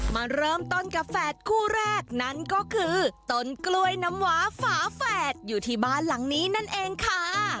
มาเริ่มต้นกับแฝดคู่แรกนั้นก็คือต้นกล้วยน้ำหวาฝาแฝดอยู่ที่บ้านหลังนี้นั่นเองค่ะ